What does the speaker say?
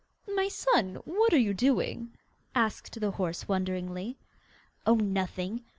'My son, what are you doing?' asked the horse wonderingly. 'Oh, nothing!